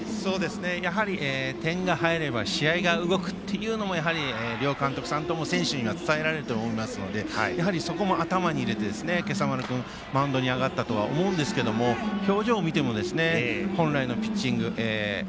やはり点が入れば試合が動くというのも両監督さんとも、選手には伝えられると思いますのでやはりそこも頭に入れて今朝丸君マウンドに上がったと思いますが表情を見ても本来のピッチング。